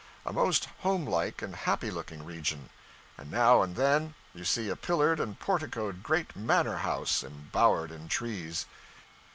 A most home like and happy looking region. And now and then you see a pillared and porticoed great manor house, embowered in trees.